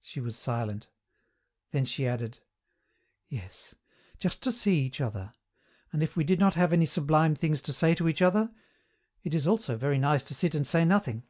She was silent. Then she added, "Yes, just to see each other and if we did not have any sublime things to say to each other, it is also very nice to sit and say nothing!"